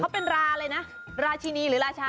เขาเป็นราอะไรนะราชินีหรือราชา